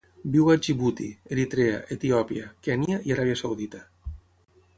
Viu a Djibouti, Eritrea, Etiòpia, Kenya i Aràbia Saudita.